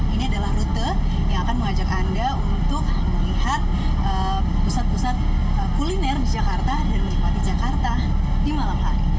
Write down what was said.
ini adalah rute yang akan mengajak anda untuk melihat pusat pusat kuliner di jakarta dan menikmati jakarta di malam hari